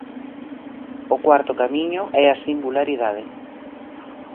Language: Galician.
O cuarto camiño é a singularidade.